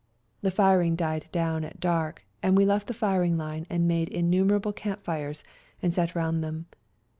The firing died down at dark, and we left the firing line and made innumer able camp fires and sat round them.